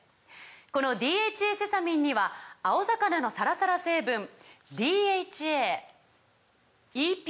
この「ＤＨＡセサミン」には青魚のサラサラ成分ＤＨＡＥＰＡ